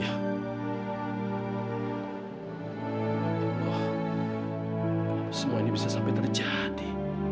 kenapa semua ini bisa sampai terjadi